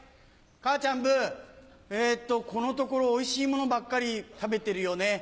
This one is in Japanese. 母ちゃんブえっとこのところおいしいものばっかり食べてるよね。